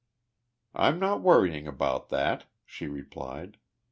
"I'm not worrying about that," she replied.